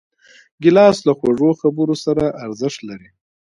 ګیلاس له خوږو خبرو سره ارزښت لري.